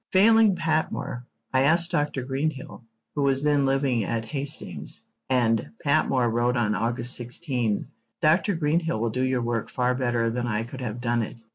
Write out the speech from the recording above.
Failing Patmore, I asked Dr. Greenhill, who was then living at Hastings, and Patmore wrote on August 16: Dr. Greenhill will do your work far better than I could have done it.